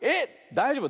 だいじょうぶ。